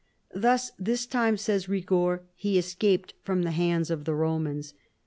Thus this time, says Eigord, he escaped from the hands of the Romans.